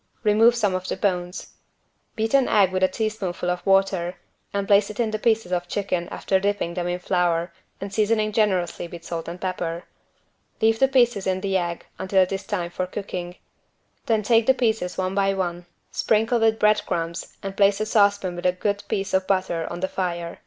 Remove some of the bones. Beat an egg with a teaspoonful of water and place in it the pieces of chicken after dipping them in flour and seasoning generously with salt and pepper. Leave the pieces in the egg until it is time for cooking. Then take the pieces one by one, sprinkle with bread crumbs and place a saucepan with a good piece of butter on the fire.